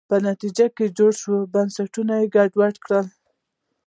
په نتیجه کې جوړ شوي بنسټونه ګډوډ کړي.